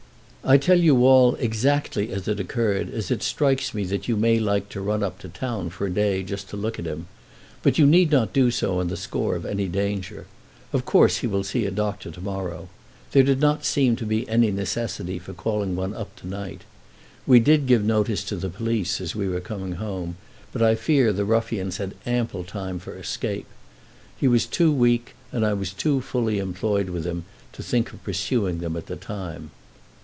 I tell you all exactly as it occurred, as it strikes me that you may like to run up to town for a day just to look at him. But you need not do so on the score of any danger. Of course he will see a doctor to morrow. There did not seem to be any necessity for calling one up to night. We did give notice to the police as we were coming home, but I fear the ruffians had ample time for escape. He was too weak, and I was too fully employed with him, to think of pursuing them at the time.